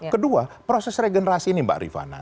kedua proses regenerasi ini mbak rifana